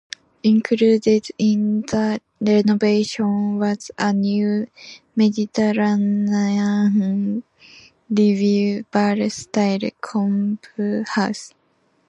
Included in the renovation was a new Mediterranean Revival-style clubhouse.